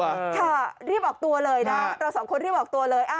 ค่ะรีบออกตัวเลยนะเราสองคนรีบออกตัวเลย